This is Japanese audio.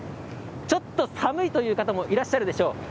ちょっと寒いという方もいらっしゃるでしょう。